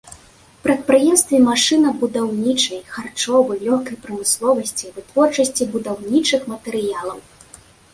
Прадпрыемствы машынабудаўнічай, харчовы, лёгкай прамысловасці, вытворчасці будаўнічых матэрыялаў.